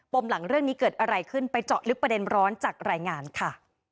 มหลังเรื่องนี้เกิดอะไรขึ้นไปเจาะลึกประเด็นร้อนจากรายงานค่ะ